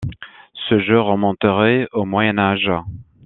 Ce jeu remonterait au Moyen Âge.